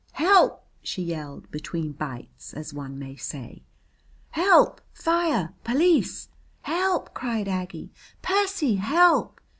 Help!" she yelled, between bites, as one may say. "Help! Fire! Police!" "Help!" cried Aggie. "Percy, help!"